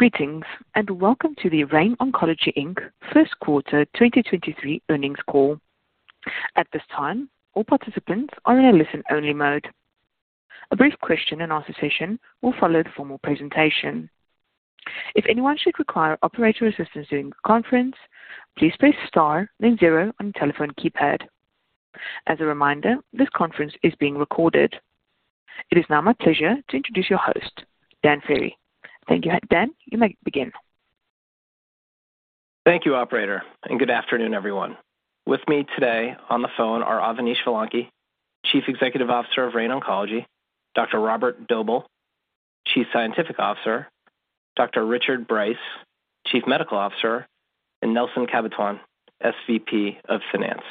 Greetings, welcome to the Rain Oncology Inc. Q1 2023 earnings call. At this time, all participants are in a listen-only mode. A brief question and answer session will follow the formal presentation. If anyone should require operator assistance during the conference, please press star then zero on your telephone keypad. As a reminder, this conference is being recorded. It is now my pleasure to introduce your host, Dan Ferry. Thank you. Dan, you may begin. Thank you, operator, and good afternoon, everyone. With me today on the phone are Avanish Vellanki, Chief Executive Officer of Rain Oncology, Dr. Robert Doebele, Chief Scientific Officer, Dr. Richard Bryce, Chief Medical Officer, and Nelson Cabatuan, SVP of Finance.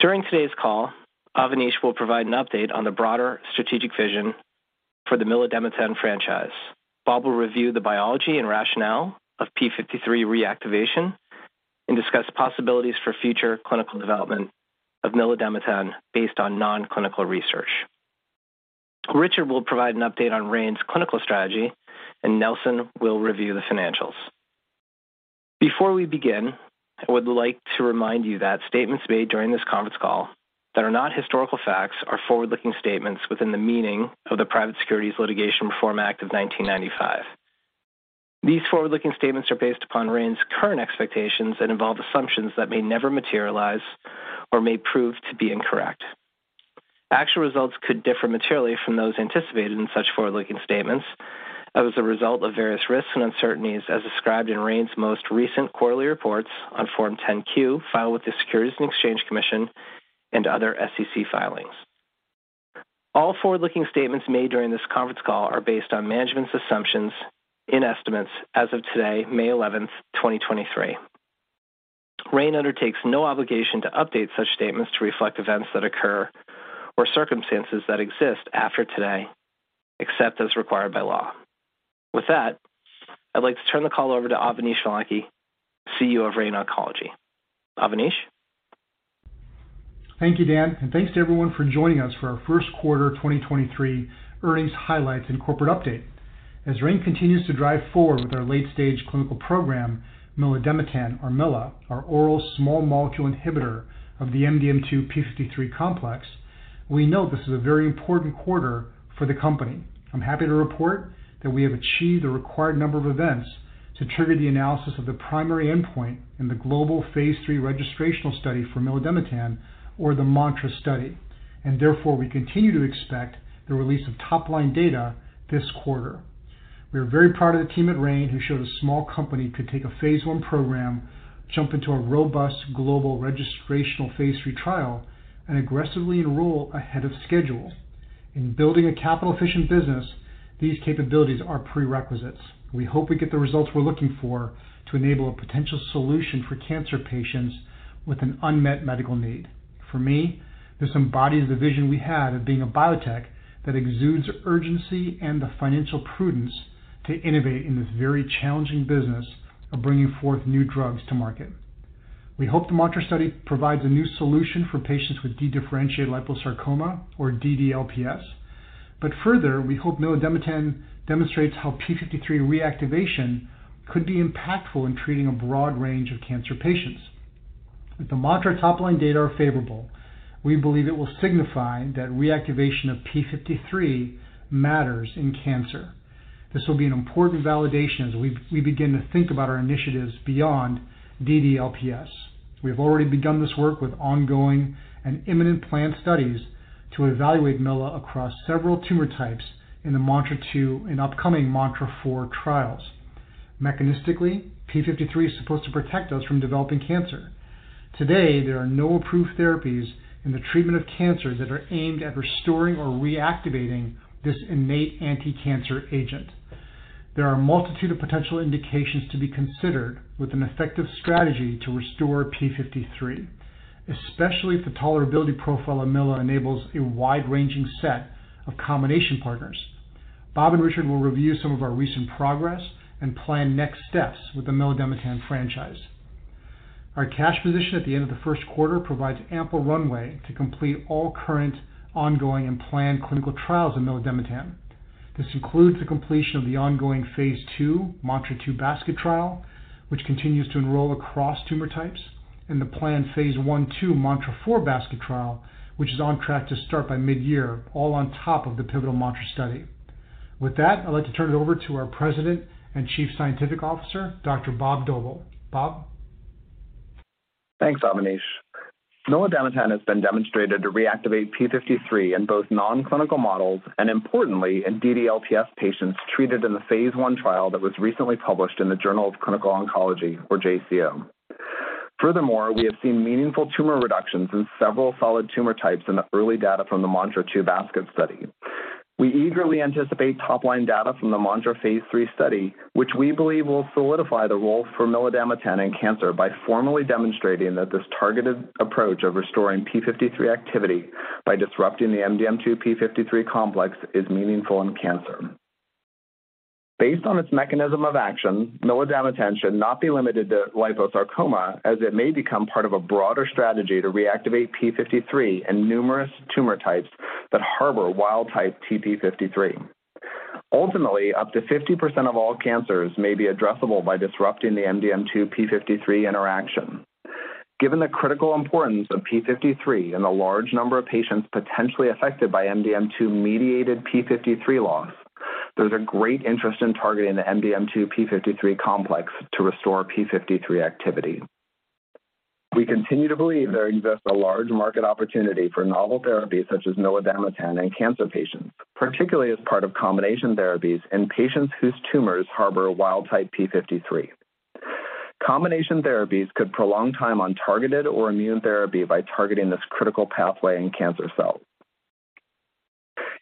During today's call, Avanish will provide an update on the broader strategic vision for the milademetan franchise. Bob will review the biology and rationale of p53 reactivation and discuss possibilities for future clinical development of milademetan based on non-clinical research. Richard will provide an update on Rain's clinical strategy, and Nelson will review the financials. Before we begin, I would like to remind you that statements made during this conference call that are not historical facts are forward-looking statements within the meaning of the Private Securities Litigation Reform Act of 1995. These forward-looking statements are based upon Rain's current expectations and involve assumptions that may never materialize or may prove to be incorrect. Actual results could differ materially from those anticipated in such forward-looking statements as a result of various risks and uncertainties as described in Rain's most recent quarterly reports on Form 10-Q filed with the Securities and Exchange Commission and other SEC filings. All forward-looking statements made during this conference call are based on management's assumptions and estimates as of today, May 11, 2023. Rain undertakes no obligation to update such statements to reflect events that occur or circumstances that exist after today, except as required by law. With that, I'd like to turn the call over to Avanish Vellanki, CEO of Rain Oncology. Avanish. Thank you, Dan, and thanks to everyone for joining us for our Q1 2023 earnings highlights and corporate update. As Rain continues to drive forward with our late-stage clinical program, milademetan, or Mila, our oral small molecule inhibitor of the MDM2-p53 complex, we know this is a very important quarter for the company. I'm happy to report that we have achieved the required number of events to trigger the analysis of the primary endpoint in the global phase III registrational study for milademetan, or the MANTRA study. Therefore, we continue to expect the release of top-line data this quarter. We are very proud of the team at Rain, who showed a small company could take a phase I program, jump into a robust global registrational phase III trial, and aggressively enroll ahead of schedule. In building a capital-efficient business, these capabilities are prerequisites. We hope we get the results we're looking for to enable a potential solution for cancer patients with an unmet medical need. For me, this embodies the vision we had of being a biotech that exudes urgency and the financial prudence to innovate in this very challenging business of bringing forth new drugs to market. We hope the MANTRA study provides a new solution for patients with dedifferentiated liposarcoma or DDLPS. Further, we hope milademetan demonstrates how p53 reactivation could be impactful in treating a broad range of cancer patients. If the MANTRA top-line data are favorable, we believe it will signify that reactivation of p53 matters in cancer. This will be an important validation as we begin to think about our initiatives beyond DDLPS. We have already begun this work with ongoing and imminent planned studies to evaluate Mila across several tumor types in the MANTRA-2 and upcoming MANTRA-4 trials. Mechanistically, p53 is supposed to protect us from developing cancer. Today, there are no approved therapies in the treatment of cancer that are aimed at restoring or reactivating this innate anticancer agent. There are a multitude of potential indications to be considered with an effective strategy to restore p53, especially if the tolerability profile of Mila enables a wide-ranging set of combination partners. Bob and Richard will review some of our recent progress and plan next steps with the milademetan franchise. Our cash position at the end of the Q1 provides ample runway to complete all current ongoing and planned clinical trials of milademetan. This includes the completion of the ongoing phase II MANTRA-2 basket trial, which continues to enroll across tumor types, and the planned phase I/II MANTRA-4 basket trial, which is on track to start by mid-year, all on top of the pivotal MANTRA study. With that, I'd like to turn it over to our President and Chief Scientific Officer, Dr. Robert Doebele. Robert. Thanks, Avanish. Milademetan has been demonstrated to reactivate p53 in both non-clinical models and importantly in DDLPS patients treated in the phase I trial that was recently published in the Journal of Clinical Oncology or JCO. Furthermore, we have seen meaningful tumor reductions in several solid tumor types in the early data from the MANTRA-2 basket study. We eagerly anticipate top-line data from the MANTRA phase III study, which we believe will solidify the role for milademetan in cancer by formally demonstrating that this targeted approach of restoring p53 activity by disrupting the MDM2-p53 complex is meaningful in cancer. Based on its mechanism of action, milademetan should not be limited to liposarcoma, as it may become part of a broader strategy to reactivate p53 in numerous tumor types that harbor wild-type Tp53. Ultimately, up to 50% of all cancers may be addressable by disrupting the MDM2-p53 interaction. Given the critical importance of p53 and the large number of patients potentially affected by MDM2-mediated p53 loss, there's a great interest in targeting the MDM2-p53 complex to restore p53 activity. We continue to believe there exists a large market opportunity for novel therapies such as milademetan in cancer patients, particularly as part of combination therapies in patients whose tumors harbor wild-type p53. Combination therapies could prolong time on targeted or immune therapy by targeting this critical pathway in cancer cells.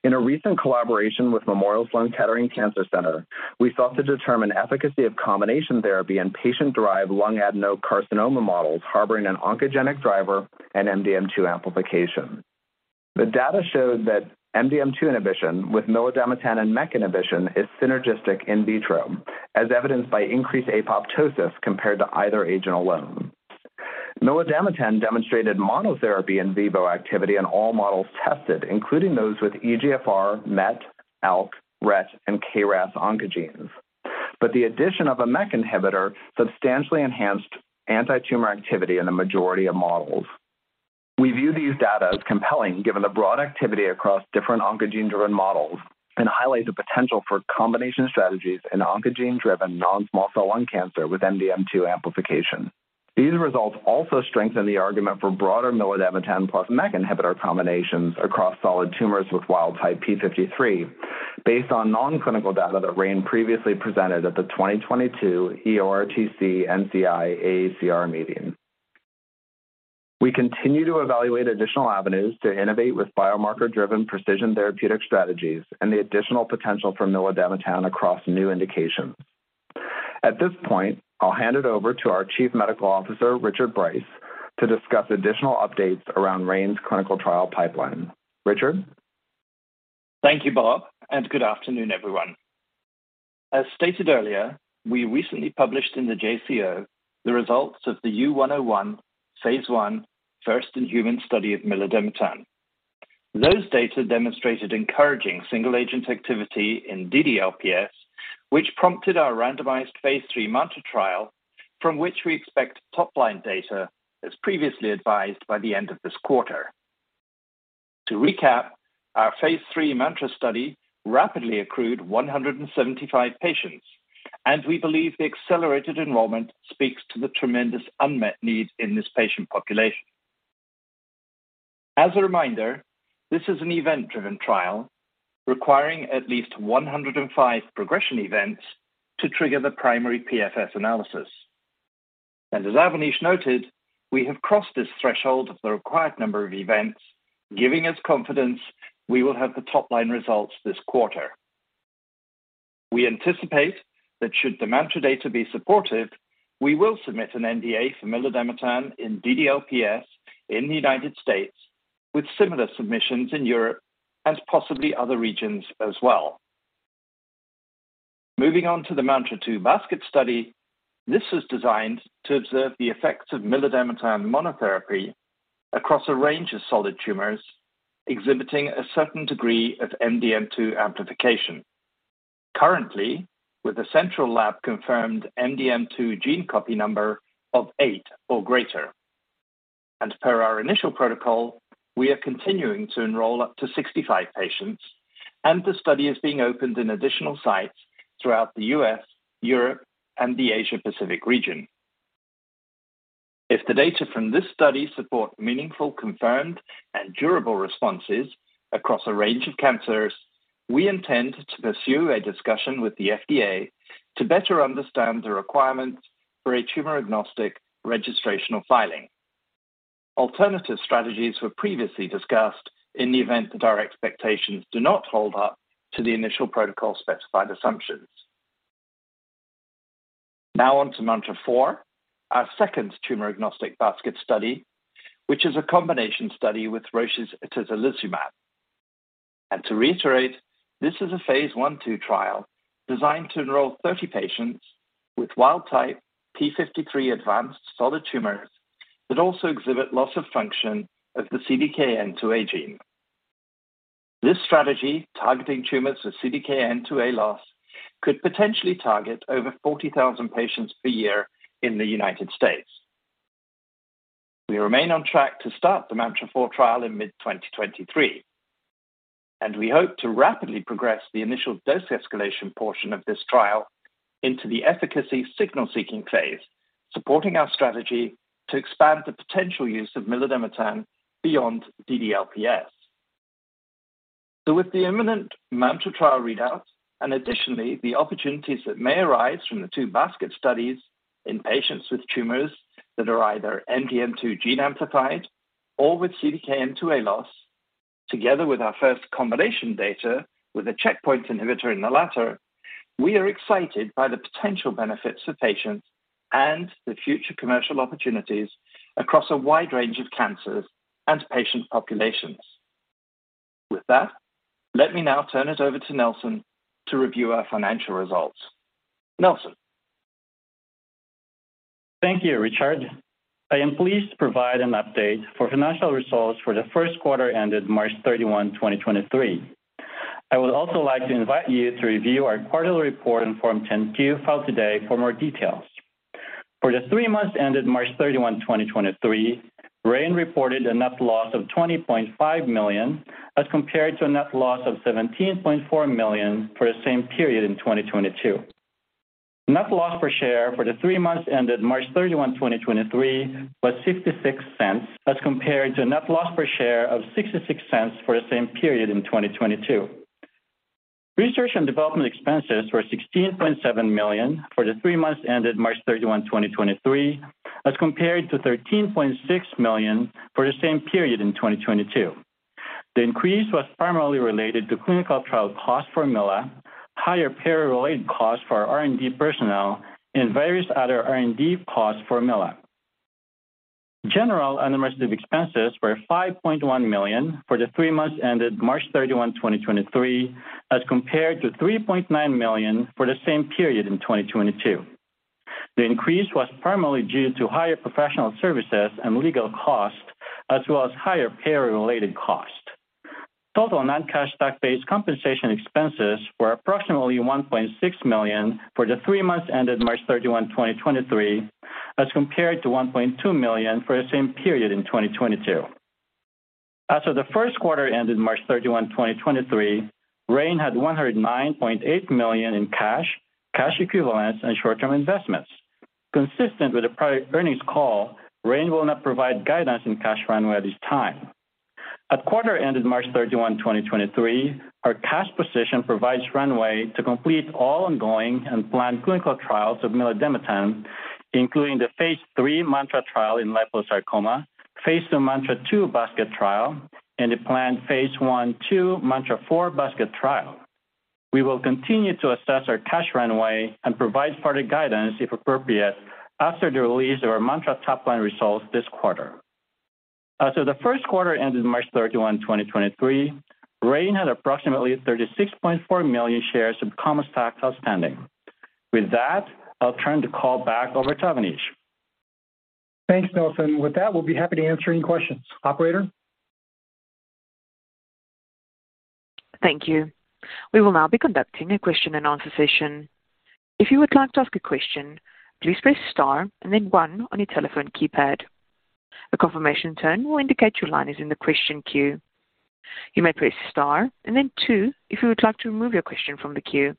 In a recent collaboration with Memorial Sloan Kettering Cancer Center, we sought to determine efficacy of combination therapy in patient-derived lung adenocarcinoma models harboring an oncogenic driver and MDM2 amplification. The data showed that MDM2 inhibition with milademetan and MEK inhibition is synergistic in vitro, as evidenced by increased apoptosis compared to either agent alone. Milademetan demonstrated monotherapy in vivo activity in all models tested, including those with EGFR, MET, ALK, RET, and KRAS oncogenes. The addition of a MEK inhibitor substantially enhanced antitumor activity in the majority of models. We view these data as compelling, given the broad activity across different oncogene-driven models, and highlight the potential for combination strategies in oncogene-driven non-small cell lung cancer with MDM2 amplification. These results also strengthen the argument for broader milademetan plus MEK inhibitor combinations across solid tumors with wild-type p53 based on non-clinical data that Rain previously presented at the 2022 EORTC-NCI-AACR meeting. We continue to evaluate additional avenues to innovate with biomarker-driven precision therapeutic strategies and the additional potential for milademetan across new indications. At this point, I'll hand it over to our Chief Medical Officer, Richard Bryce, to discuss additional updates around Rain's clinical trial pipeline. Richard? Thank you, Bob. Good afternoon, everyone. As stated earlier, we recently published in the JCO the results of the U101 Phase I first in human study of milademetan. Those data demonstrated encouraging single-agent activity in DDLPS, which prompted our randomized Phase III MANTRA trial from which we expect top-line data, as previously advised, by the end of this quarter. To recap, our Phase III MANTRA study rapidly accrued 175 patients, and we believe the accelerated enrollment speaks to the tremendous unmet need in this patient population. As a reminder, this is an event-driven trial requiring at least 105 progression events to trigger the primary PFS analysis. As Avanish noted, we have crossed this threshold of the required number of events, giving us confidence we will have the top-line results this quarter. We anticipate that should the MANTRA data be supportive, we will submit an NDA for milademetan in DDLPS in the United States with similar submissions in Europe and possibly other regions as well. Moving on to the MANTRA-2 basket study, this was designed to observe the effects of milademetan monotherapy across a range of solid tumors exhibiting a certain degree of MDM2 amplification. Currently, with the central lab confirmed MDM2 gene copy number of eight or greater. Per our initial protocol, we are continuing to enroll up to 65 patients, and the study is being opened in additional sites throughout the U.S., Europe, and the Asia Pacific region. If the data from this study support meaningful, confirmed, and durable responses across a range of cancers, we intend to pursue a discussion with the FDA to better understand the requirements for a tumor-agnostic registrational filing. Alternative strategies were previously discussed in the event that our expectations do not hold up to the initial protocol-specified assumptions. Now on to MANTRA-4, our second tumor-agnostic basket study, which is a combination study with Roche's atezolizumab. To reiterate, this is a phase I/II trial designed to enroll 30 patients with wild type p53 advanced solid tumors that also exhibit loss of function of the CDKN2A gene. This strategy, targeting tumors with CDKN2A loss, could potentially target over 40,000 patients per year in the United States. We remain on track to start the MANTRA-4 trial in mid 2023. We hope to rapidly progress the initial dose escalation portion of this trial into the efficacy signal-seeking phase, supporting our strategy to expand the potential use of milademetan beyond DDLPS. With the imminent MANTRA trial readout, additionally, the opportunities that may arise from the two basket studies in patients with tumors that are either MDM2 gene amplified or with CDKN2A loss, together with our first combination data with a checkpoint inhibitor in the latter, we are excited by the potential benefits to patients and the future commercial opportunities across a wide range of cancers and patient populations. With that, let me now turn it over to Nelson to review our financial results. Nelson? Thank you, Richard. I am pleased to provide an update for financial results for the Q1 ended March 31, 2023. I would also like to invite you to review our quarterly report and Form 10-Q filed today for more details. For the three months ended March 31, 2023, Rain reported a net loss of $20.5 million, as compared to a net loss of $17.4 million for the same period in 2022. Net loss per share for the three months ended March 31, 2023 was $0.66, as compared to a net loss per share of $0.66 for the same period in 2022. Research and development expenses were $16.7 million for the three months ended March 31, 2023, as compared to $13.6 million for the same period in 2022. The increase was primarily related to clinical trial costs for Mila, higher payroll aid costs for our R&D personnel, and various other R&D costs for Mila. General administrative expenses were $5.1 million for the 3 months ended March 31, 2023, as compared to $3.9 million for the same period in 2022. The increase was primarily due to higher professional services and legal costs, as well as higher payroll related costs. Total non-cash stock-based compensation expenses were approximately $1.6 million for the 3 months ended March 31, 2023, as compared to $1.2 million for the same period in 2022. As of the Q1 ended March 31, 2023, Rain had $109.8 million in cash equivalents and short-term investments. Consistent with the prior earnings call, Rain will not provide guidance in cash runway at this time. At quarter ended March 31, 2023, our cash position provides runway to complete all ongoing and planned clinical trials of milademetan, including the phase III MANTRA trial in liposarcoma, phase II MANTRA-2 basket trial, and the planned phase I/II MANTRA-4 basket trial. We will continue to assess our cash runway and provide product guidance, if appropriate, after the release of our MANTRA top line results this quarter. As of the Q1 ended March 31, 2023, Rain had approximately 36.4 million shares of common stock outstanding. With that, I'll turn the call back over to Avanish. Thanks, Nelson. With that, we'll be happy to answer any questions. Operator? Thank you. We will now be conducting a question-and-answer session. If you would like to ask a question, please press star and then one on your telephone keypad. A confirmation tone will indicate your line is in the question queue. You may press star and then two if you would like to remove your question from the queue.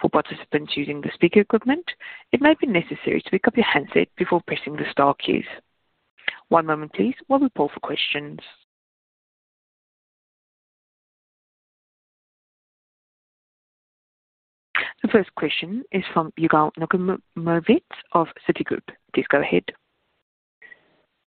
For participants using the speaker equipment, it may be necessary to pick up your handset before pressing the star keys. One moment please while we poll for questions. The first question is from Yigal Nochomovitz of Citigroup. Please go ahead.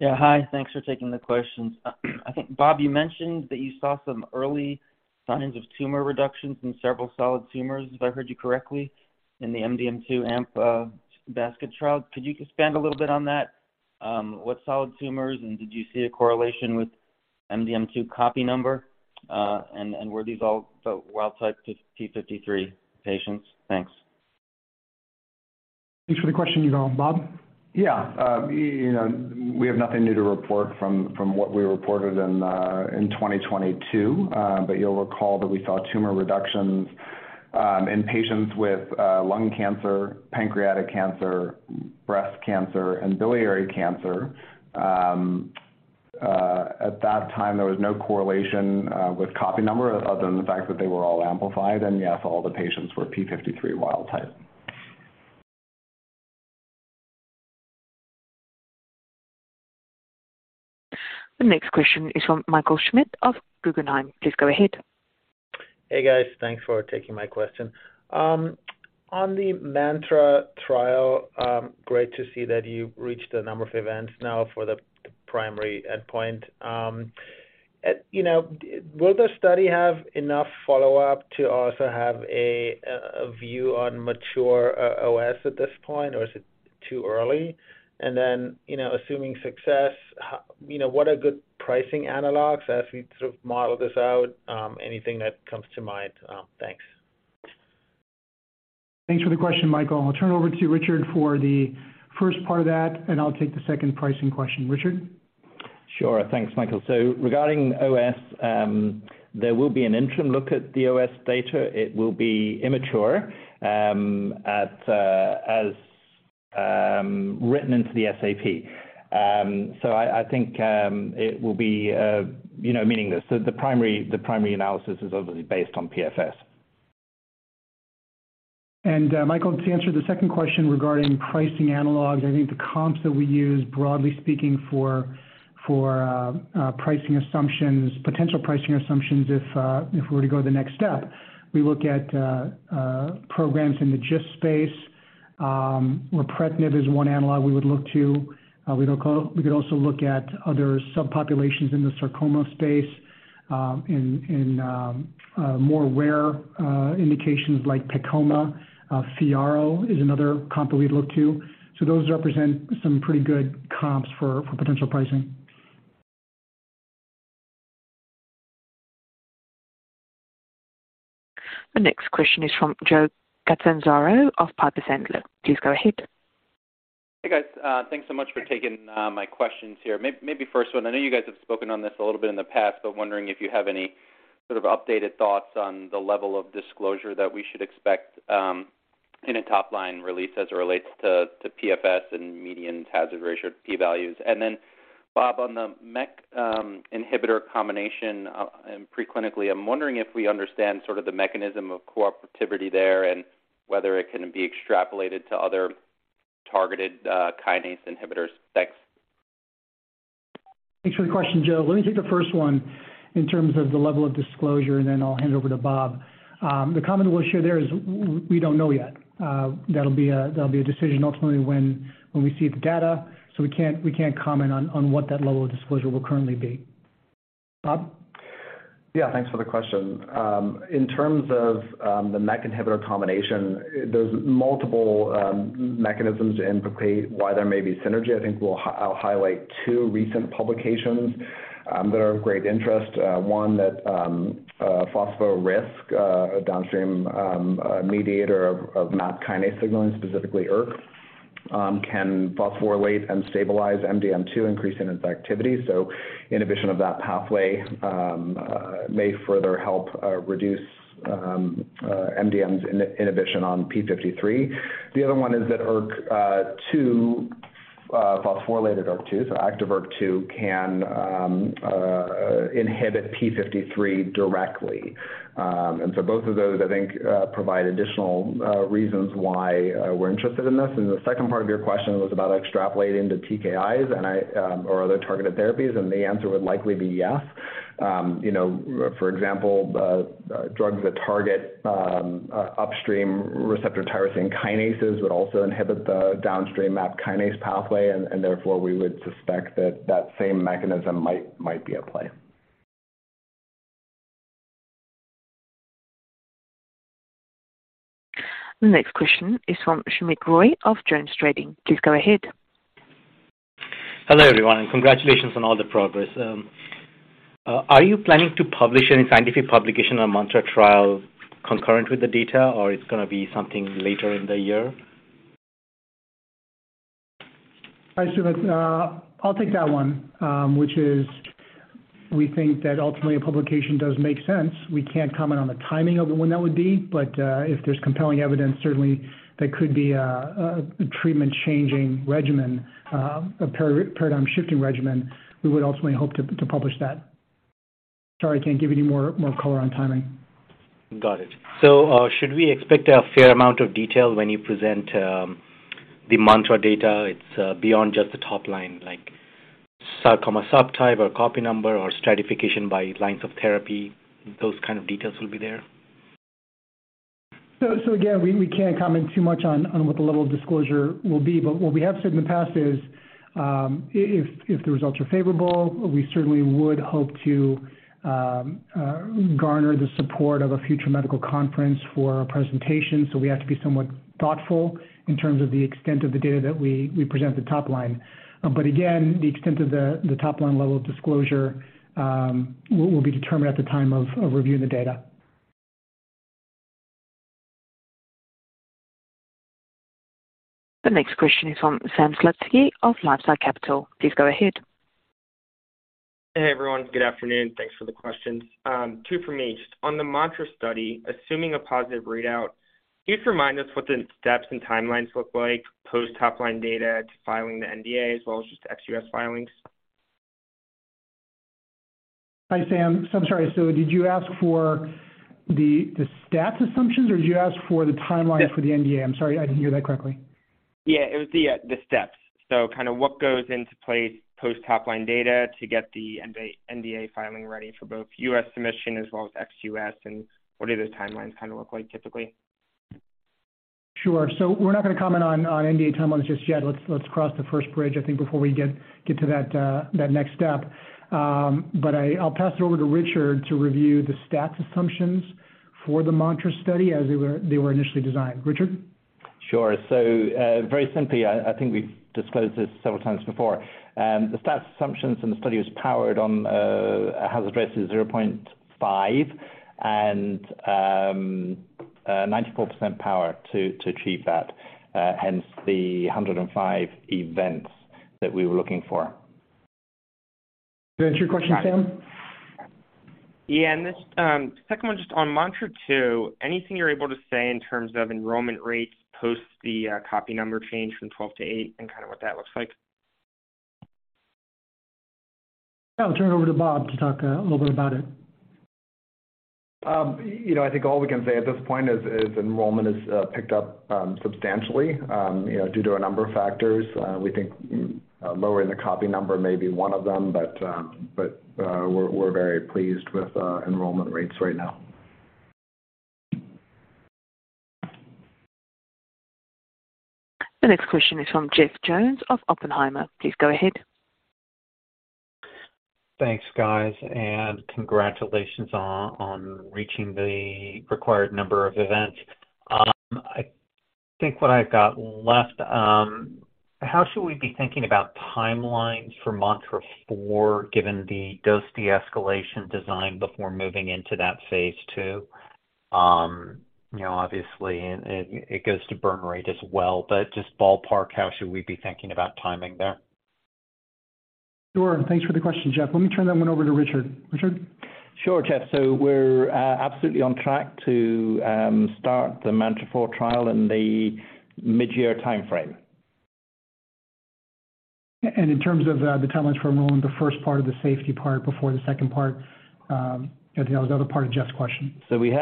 Yeah. Hi, thanks for taking the questions. I think, Bob, you mentioned that you saw some early signs of tumor reductions in several solid tumors, if I heard you correctly, in the MDM2 amp, basket trial. Could you expand a little bit on that? What solid tumors, and did you see a correlation with MDM2 copy number? Were these all the wild-type Tp53 patients? Thanks. Thanks for the question, Yigal. Bob? Yeah. you know, we have nothing new to report from what we reported in 2022. You'll recall that we saw tumor reductions in patients with lung cancer, pancreatic cancer, breast cancer, and biliary cancer. At that time, there was no correlation with copy number other than the fact that they were all amplified. Yes, all the patients were p53 wild type. The next question is from Michael Schmidt of Guggenheim. Please go ahead. Hey, guys. Thanks for taking my question. On the MANTRA trial, great to see that you've reached a number of events now for the primary endpoint. You know, will the study have enough follow-up to also have a view on mature OS at this point, or is it too early? You know, assuming success, you know what are good pricing analogs as we sort of model this out? Anything that comes to mind? Thanks. Thanks for the question, Michael. I'll turn over to you, Richard, for the first part of that, and I'll take the second pricing question. Richard? Sure. Thanks, Michael. Regarding OS, there will be an interim look at the OS data. It will be immature, as written into the SAP. I think, it will be, you know, meaningless. The primary analysis is obviously based on PFS. Michael, to answer the second question regarding pricing analogs, I think the comps that we use, broadly speaking for pricing assumptions, potential pricing assumptions if we were to go to the next step, we look at programs in the GIST space, ripretinib is one analog we would look to. We could also look at other subpopulations in the sarcoma space, in more rare indications like PEComa. FYARRO is another comp that we'd look to. Those represent some pretty good comps for potential pricing. The next question is from Joseph Catanzaro of Piper Sandler. Please go ahead. Hey guys, thanks so much for taking my questions here. Maybe first one, I know you guys have spoken on this a little bit in the past, but wondering if you have any sort of updated thoughts on the level of disclosure that we should expect in a top-line release as it relates to PFS and median hazard ratio p-values. Bob, on the MEK inhibitor combination, and preclinically, I'm wondering if we understand sort of the mechanism of cooperativity there and whether it can be extrapolated to other targeted kinase inhibitors. Thanks. Thanks for the question, Joe. Let me take the first one in terms of the level of disclosure, and then I'll hand it over to Bob. The comment we'll share there is we don't know yet. That'll be a decision ultimately when we see the data, so we can't comment on what that level of disclosure will currently be. Bob? Yeah, thanks for the question. In terms of the MEK inhibitor combination, there's multiple mechanisms to implicate why there may be synergy. I think I'll highlight two recent publications that are of great interest. One that phospho-RSK, a downstream mediator of MAP kinase signaling, specifically ERK, can phosphorylate and stabilize MDM2, increasing its activity. Inhibition of that pathway may further help reduce MDM2's inhibition on p53. The other one is that ERK2, phosphorylated ERK2, so active ERK2 can inhibit p53 directly. Both of those, I think, provide additional reasons why we're interested in this. The second part of your question was about extrapolating to TKIs and I, or other targeted therapies, and the answer would likely be yes. You know, for example, drugs that target upstream receptor tyrosine kinases would also inhibit the downstream MAP kinase pathway and therefore, we would suspect that that same mechanism might be at play. The next question is from Soumit Roy of JonesTrading. Please go ahead. Hello, everyone, and congratulations on all the progress. Are you planning to publish any scientific publication on MANTRA trial concurrent with the data, or it's gonna be something later in the year? Hi, Soumit. I'll take that one. We think that ultimately a publication does make sense. We can't comment on the timing of when that would be. If there's compelling evidence, certainly there could be a treatment-changing regimen, a paradigm-shifting regimen. We would ultimately hope to publish that. Sorry, I can't give any more color on timing. Got it. Should we expect a fair amount of detail when you present the MANTRA data? It's beyond just the top line, like subtype or copy number or stratification by lines of therapy. Those kind of details will be there? Again, we can't comment too much on what the level of disclosure will be, but what we have said in the past is, if the results are favorable, we certainly would hope to garner the support of a future medical conference for a presentation. We have to be somewhat thoughtful in terms of the extent of the data that we present at the top line. Again, the extent of the top line level of disclosure will be determined at the time of reviewing the data. The next question is from Sam Slutsky of LifeSci Capital. Please go ahead. Hey, everyone. Good afternoon. Thanks for the questions. 2 from me. Just on the MANTRA study, assuming a positive readout, can you just remind us what the steps and timelines look like post-top line data to filing the NDA as well as just ex-U.S. filings? Hi, Sam. I'm sorry. Did you ask for the stats assumptions, or did you ask for the timeline? Yes. for the NDA? I'm sorry. I didn't hear that correctly. Yeah, it was the steps. Kind of what goes into place post-top line data to get the NDA filing ready for both U.S. submission as well as ex-U.S., what do those timelines kind of look like typically? Sure. We're not gonna comment on NDA timelines just yet. Let's cross the first bridge, I think, before we get to that next step. I'll pass it over to Richard to review the stats assumptions for the MANTRA study as they were initially designed. Richard? Sure. Very simply, I think we've disclosed this several times before. The stats assumptions in the study was powered on a hazard ratio 0.5 and 94% power to achieve that, hence the 105 events that we were looking for. Does that answer your question, Sam? Yeah. This second one just on MANTRA-2, anything you're able to say in terms of enrollment rates post the copy number change from 12 to 8 and kinda what that looks like? Yeah. I'll turn it over to Bob to talk a little bit about it. you know, I think all we can say at this point is enrollment has picked up substantially, you know, due to a number of factors. We think lowering the copy number may be one of them. We're very pleased with enrollment rates right now. The next question is from Jeff Jones of Oppenheimer. Please go ahead. Thanks, guys, and congratulations on reaching the required number of events. I think what I've got left, how should we be thinking about timelines for MANTRA-4, given the dose de-escalation design before moving into that phase II? you know, obviously, it goes to burn rate as well. just ballpark, how should we be thinking about timing there? Sure. Thanks for the question, Jeff. Let me turn that one over to Richard. Richard? Sure, Jeff. We're absolutely on track to start the MANTRA-4 trial in the midyear timeframe. In terms of the timelines for enrolling the first part of the safety part before the second part, you know, the other part of Jeff's question. Sorry,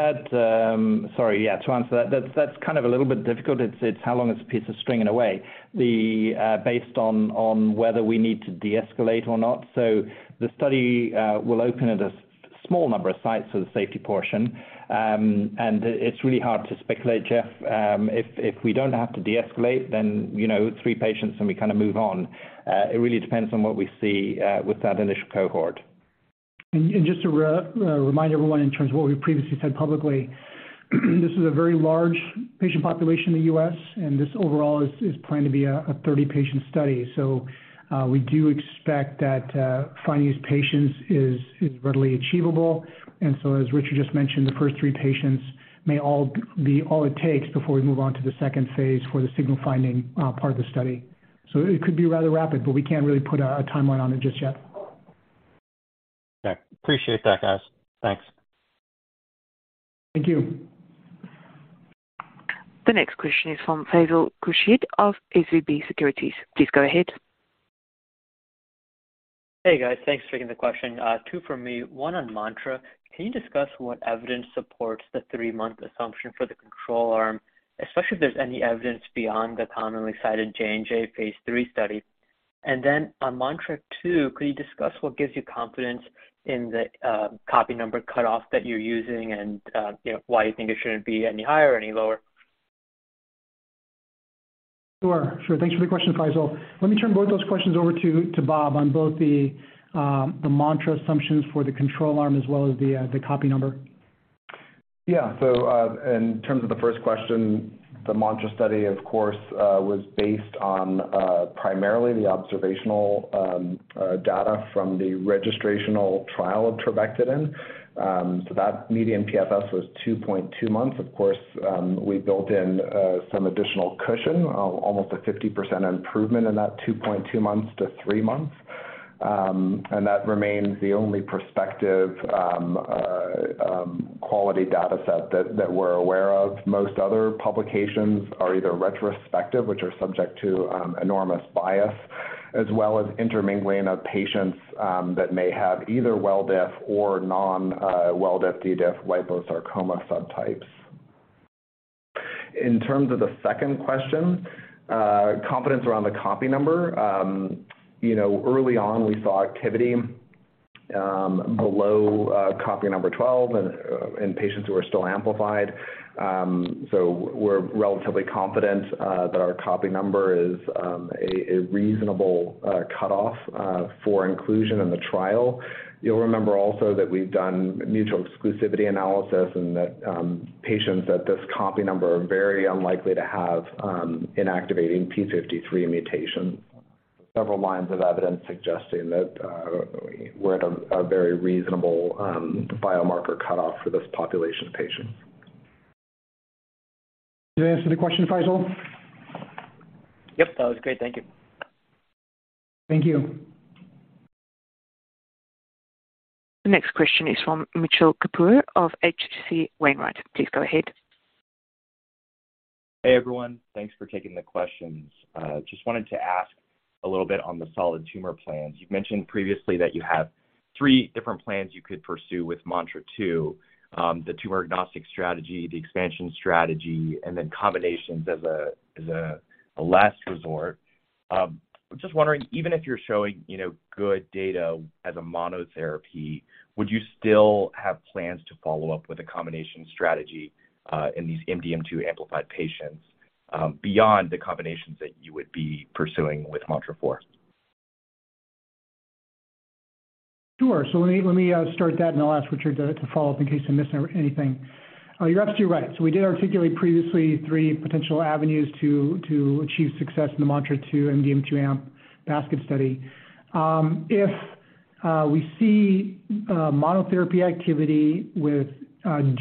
yeah, to answer that's, that's kind of a little bit difficult. It's, it's how long is a piece of string in a way. The, based on whether we need to deescalate or not. The study will open at a small number of sites for the safety portion. It's really hard to speculate, Jeff. If we don't have to deescalate, you know, 3 patients and we kinda move on. It really depends on what we see with that initial cohort. Just to remind everyone in terms of what we previously said publicly, this is a very large patient population in the U.S., and this overall is planned to be a 30-patient study. We do expect that finding these patients is readily achievable. As Richard just mentioned, the first 3 patients may be all it takes before we move on to the second phase for the signal finding part of the study. It could be rather rapid, but we can't really put a timeline on it just yet. Okay. Appreciate that, guys. Thanks. Thank you. The next question is from Faisal Khurshid of Leerink Partners. Please go ahead. Hey, guys. Thanks for taking the question. Two from me, one on MANTRA. Can you discuss what evidence supports the 3-month assumption for the control arm, especially if there's any evidence beyond the commonly cited Johnson & Johnson Phase III study? Then on MANTRA-2, could you discuss what gives you confidence in the copy number cutoff that you're using and, you know, why you think it shouldn't be any higher or any lower? Sure, sure. Thanks for the question, Faisal. Let me turn both those questions over to Bob on both the MANTRA assumptions for the control arm as well as the copy number. Yeah. In terms of the first question, the MANTRA study, of course, was based on primarily the observational data from the registrational trial of trabectedin. That median PFS was 2.2 months. Of course, we built in some additional cushion, almost a 50% improvement in that 2.2 months to 3 months. That remains the only perspective quality data set that we're aware of. Most other publications are either retrospective, which are subject to enormous bias, as well as intermingling of patients that may have either well diff or non, well diff, D diff liposarcoma subtypes. In terms of the second question, you know, confidence around the copy number, early on, we saw activity below copy number 12 in patients who are still amplified. We're relatively confident that our copy number is a reasonable cutoff for inclusion in the trial. You'll remember also that we've done mutual exclusivity analysis and that patients at this copy number are very unlikely to have inactivating p53 mutations. Several lines of evidence suggesting that we're at a very reasonable biomarker cutoff for this population of patients. Did I answer the question, Faisal? Yep. That was great. Thank you. Thank you. The next question is from Mitchell Kapoor of H.C. Wainwright. Please go ahead. Hey, everyone. Thanks for taking the questions. Just wanted to ask a little bit on the solid tumor plans. You've mentioned previously that you have three different plans you could pursue with MANTRA-2, the tumor-agnostic strategy, the expansion strategy, and then combinations as a last resort. Just wondering, even if you're showing, you know, good data as a monotherapy, would you still have plans to follow up with a combination strategy in these MDM2 amplified patients beyond the combinations that you would be pursuing with MANTRA-4? Sure. Let me start that, and I'll ask Richard to follow up in case I missed anything. You're absolutely right. We did articulate previously three potential avenues to achieve success in the MANTRA-2 MDM2 amp basket study. If we see monotherapy activity with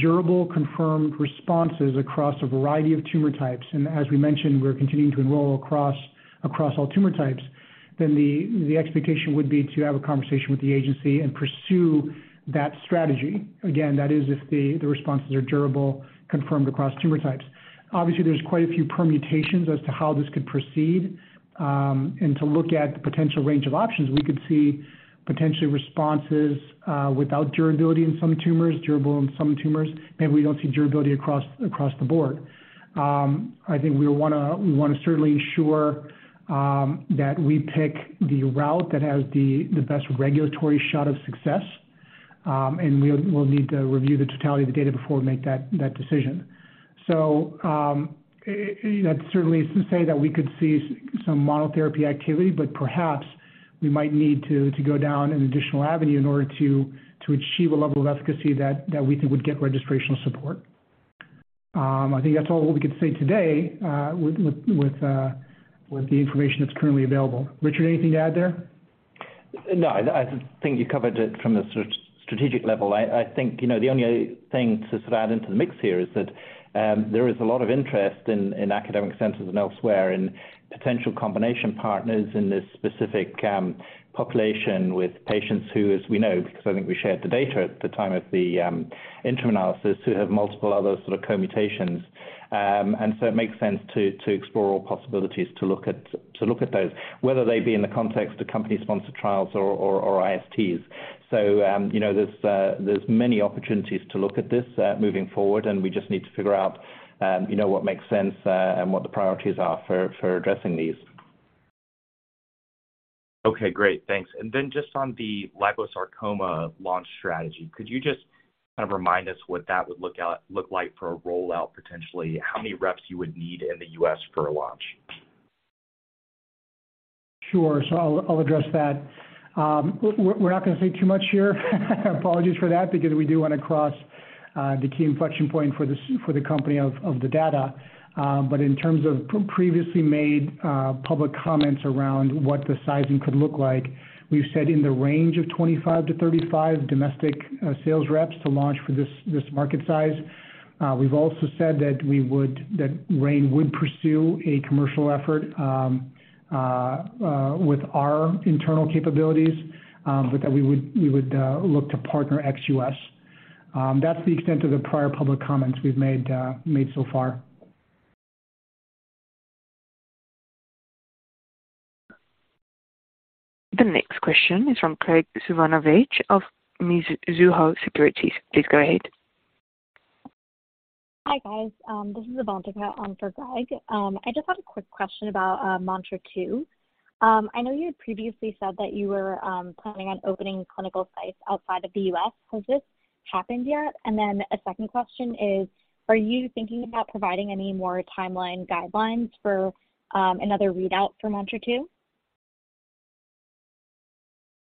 durable confirmed responses across a variety of tumor types, and as we mentioned, we're continuing to enroll across all tumor types, then the expectation would be to have a conversation with the agency and pursue that strategy. Again, that is if the responses are durable, confirmed across tumor types. Obviously, there's quite a few permutations as to how this could proceed, and to look at the potential range of options, we could see potentially responses without durability in some tumors, durable in some tumors. Maybe we don't see durability across the board. I think we wanna certainly ensure that we pick the route that has the best regulatory shot of success, and we'll need to review the totality of the data before we make that decision. That certainly is to say that we could see some monotherapy activity, but perhaps we might need to go down an additional avenue in order to achieve a level of efficacy that we think would get registrational support. I think that's all we can say today, with the information that's currently available. Richard, anything to add there? No, I think you covered it from the strategic level. I think, you know, the only thing to sort of add into the mix here is that there is a lot of interest in academic centers and elsewhere, and potential combination partners in this specific population with patients who, as we know, because I think we shared the data at the time of the interim analysis, who have multiple other sort of co-mutations. It makes sense to explore all possibilities to look at those, whether they be in the context of company-sponsored trials or ISTs. You know, there's many opportunities to look at this moving forward, and we just need to figure out, you know, what makes sense and what the priorities are for addressing these. Okay, great. Thanks. Just on the liposarcoma launch strategy, could you just kind of remind us what that would look like for a rollout, potentially, how many reps you would need in the U.S. for a launch? I'll address that. We're not gonna say too much here, apologies for that, because we do wanna cross the key inflection point for the company of the data. But in terms of previously made public comments around what the sizing could look like, we've said in the range of 25-35 domestic sales reps to launch for this market size. We've also said that Rain would pursue a commercial effort with our internal capabilities, but that we would look to partner ex-U.S. That's the extent of the prior public comments we've made so far. The next question is from Graig Suvannavejh of Mizuho Securities. Please go ahead. Hi, guys. This is Avantika on for Graig Suvannavejh. I just had a quick question about MANTRA-2. I know you had previously said that you were planning on opening clinical sites outside of the U.S. Has this happened yet? A second question is, are you thinking about providing any more timeline guidelines for another readout for MANTRA-2?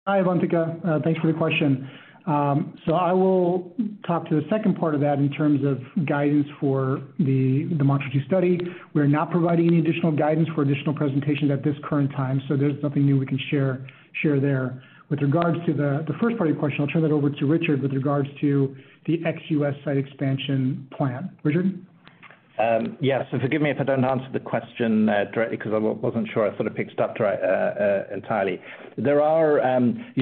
Hi, Avantika, thanks for the question. I will talk to the second part of that in terms of guidance for the MANTRA-2 study. We're not providing any additional guidance for additional presentations at this current time, so there's nothing new we can share there. With regards to the first part of your question, I'll turn that over to Richard with regards to the ex-U.S. site expansion plan. Richard? Yeah. Forgive me if I don't answer the question directly because I wasn't sure I sort of picked it up right entirely. You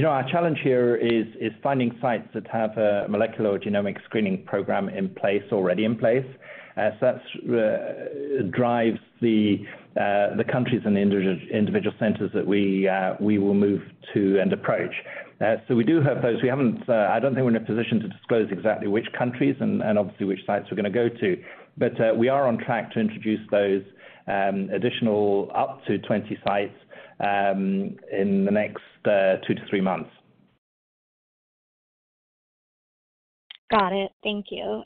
know, our challenge here is finding sites that have a molecular or genomic screening program in place, already in place. That's drives the countries and individual centers that we will move to and approach. We do have those. We haven't. I don't think we're in a position to disclose exactly which countries and obviously which sites we're gonna go to. We are on track to introduce those additional up to 20 sites in the next 2 to 3 months. Got it. Thank you.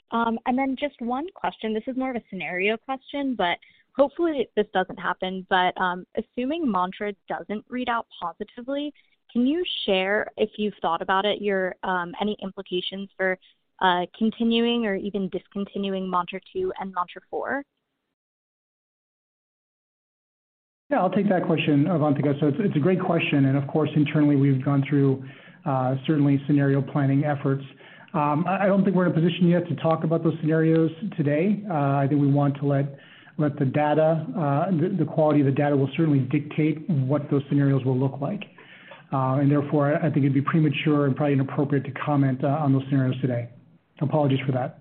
Just one question. This is more of a scenario question, but hopefully this doesn't happen. Assuming MANTRA doesn't read out positively, can you share, if you've thought about it, your any implications for continuing or even discontinuing MANTRA-2 and MANTRA-4? Yeah, I'll take that question, Avantika. It's a great question, and of course, internally, we've gone through certainly scenario planning efforts. I don't think we're in a position yet to talk about those scenarios today. I think we want to let the data, the quality of the data will certainly dictate what those scenarios will look like. Therefore, I think it'd be premature and probably inappropriate to comment on those scenarios today. Apologies for that.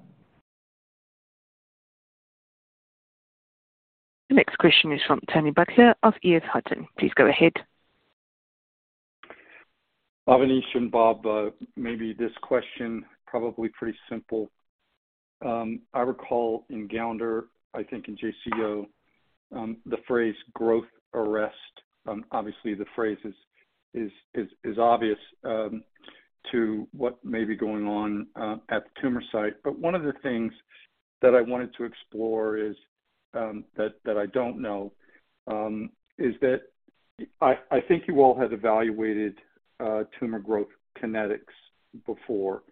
The next question is from Tony Butler of EF Hutton. Please go ahead. Avanish and Bob, maybe this question probably pretty simple. I recall in Gounder, I think in JCO, the phrase growth arrest. Obviously the phrase is obvious to what may be going on at the tumor site. One of the things that I wanted to explore is that I don't know is that I think you all have evaluated tumor growth kinetics before.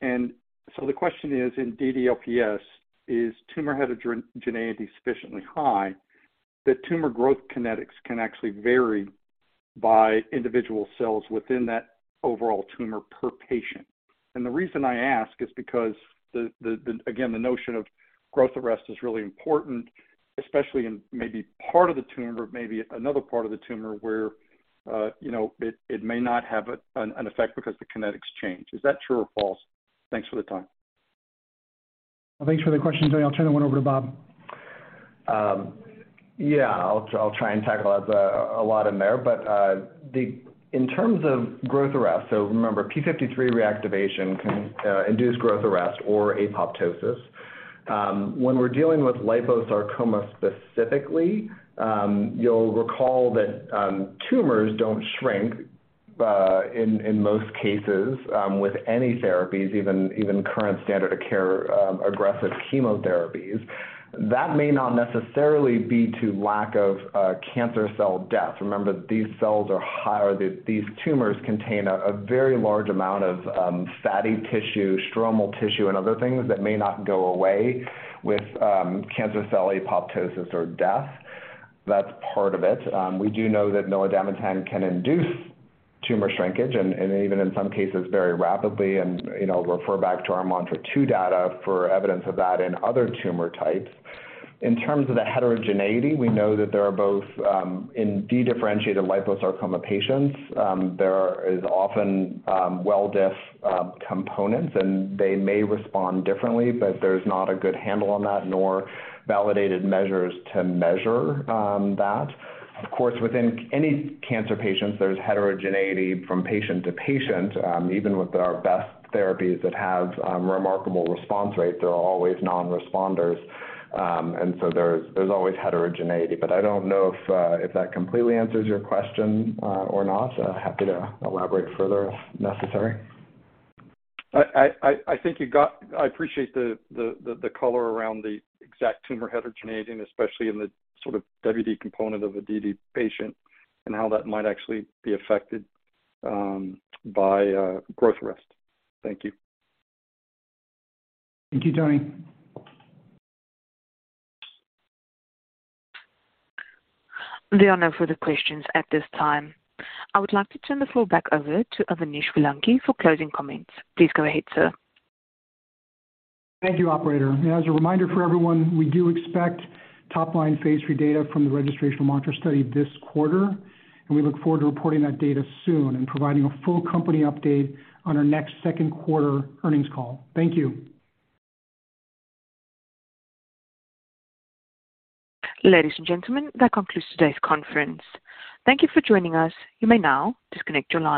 The question is in DDLPS, is tumor heterogeneity sufficiently high that tumor growth kinetics can actually vary by individual cells within that overall tumor per patient? The reason I ask is because the again, the notion of growth arrest is really important, especially in maybe part of the tumor, maybe another part of the tumor where, you know, it may not have an effect because the kinetics change. Is that true or false? Thanks for the time. Well, thanks for the question, Tony. I'll turn that one over to Bob. Yeah. I'll try and tackle that. There are a lot in there. In terms of growth arrest, remember, p53 reactivation can induce growth arrest or apoptosis. When we're dealing with liposarcoma specifically, you'll recall that tumors don't shrink in most cases with any therapies, even current standard of care, aggressive chemotherapies. That may not necessarily be to lack of cancer cell death. Remember, these cells are high, or these tumors contain a very large amount of fatty tissue, stromal tissue, and other things that may not go away with cancer cell apoptosis or death. That's part of it. We do know that milademetan can induce tumor shrinkage and even in some cases very rapidly and you know, refer back to our MANTRA-2 data for evidence of that in other tumor types. In terms of the heterogeneity, we know that there are both in dedifferentiated liposarcoma patients, there is often well-diff components, and they may respond differently, but there's not a good handle on that nor validated measures to measure that. Of course, within any cancer patients, there's heterogeneity from patient to patient. Even with our best therapies that have remarkable response rates, there are always non-responders. There's always heterogeneity. I don't know if that completely answers your question or not. Happy to elaborate further if necessary. I think you got. I appreciate the color around the exact tumor heterogeneity, and especially in the sort of WD component of a DD patient and how that might actually be affected by growth arrest. Thank you. Thank you, Tony. There are no further questions at this time. I would like to turn the floor back over to Avanish Vellanki for closing comments. Please go ahead, sir. Thank you, operator. As a reminder for everyone, we do expect top-line phase III data from the registrational MANTRA study this quarter, and we look forward to reporting that data soon and providing a full company update on our next Q2 earnings call. Thank you. Ladies and gentlemen, that concludes today's conference. Thank you for joining us. You may now disconnect your lines.